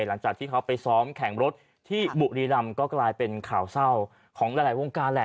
หลังจากที่เขาไปซ้อมแข่งรถที่บุรีรำก็กลายเป็นข่าวเศร้าของหลายวงการแหละ